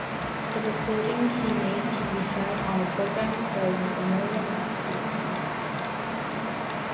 The recording he made can be heard on the Vaughan Williams Memorial Library website.